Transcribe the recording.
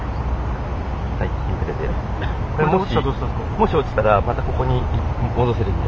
もし落ちたらまたここに戻せるので。